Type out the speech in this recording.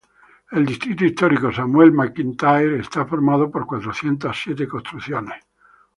El Distrito histórico Samuel McIntyre está formado por cuatrocientos siete construcciones.